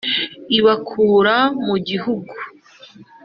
Ibakura mu gihugu